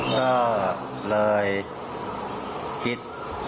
ก็เลยคิด